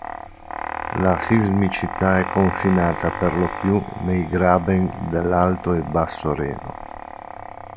La sismicità è confinata perlopiù nei graben dell'Alto e Basso Reno.